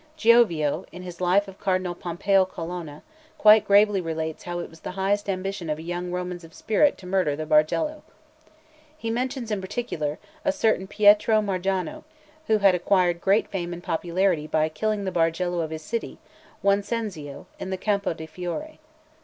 Giovio, in his Life of Cardinal Pompeo Colonna, quite gravely relates how it was the highest ambition of young Romans of spirit to murder the Bargello. He mentions, in particular, a certain Pietro Margano, who had acquired great fame and popularity by killing the Bargello of his day, one Cencio, in the Campo di Fiore.